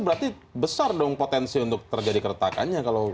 berarti besar dong potensi untuk terjadi keretakannya